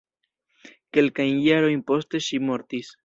Kelkajn jarojn poste ŝi mortis.